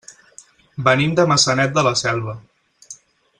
Venim de Maçanet de la Selva.